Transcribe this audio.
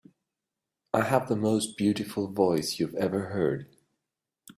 I have the most beautiful voice you have ever heard.